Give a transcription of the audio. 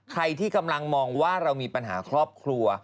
ใครที่กำลังมองว่าเรามีปัญหาครอบครัว